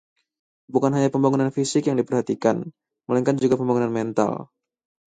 bukan hanya pembangunan fisik yang diperhatikan, melainkan juga pembangunan mental